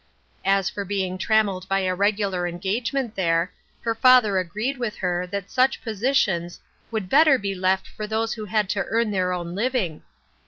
As for being trammeled by a regular engagement there, her father agreed with her, that such positions " would better be left for those who had to earn their own living."